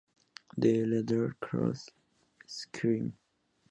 The elder Scrolls: Skyrim